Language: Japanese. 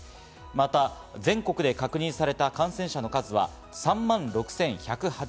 また全国で確認された感染者の数は３万６１８９人。